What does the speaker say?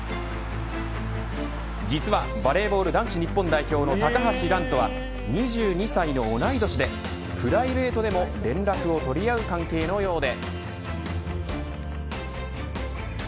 実はバレーボール男子日本代表の高橋藍とは２２歳の同い年でプライベートでも連絡を取り合う関係のようで。